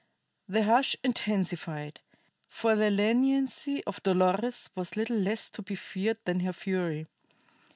The hush intensified, for the leniency of Dolores was little less to be feared than her fury.